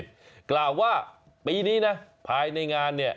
โทษใช่บัวดิตกล่าวว่าปีนี้นะภายในงานเนี่ย